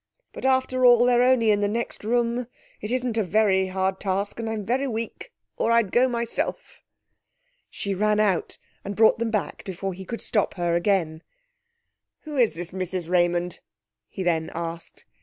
But, after all, they're only in the next room. It isn't a very hard task! And I'm very weak, or I'd go myself.' She ran out and brought them back before he could stop her again. 'Who is this Mrs Raymond?' he then asked.